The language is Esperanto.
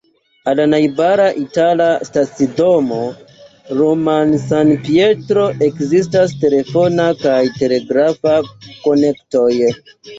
Al la najbara itala stacidomo Roma-San-Pietro ekzistas telefona kaj telegrafa konektoj.